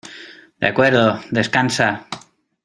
de acuerdo, descansa.